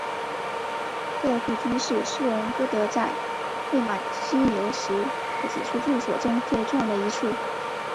歌德故居是诗人歌德在魏玛居留时的几处住所中最重要的一处。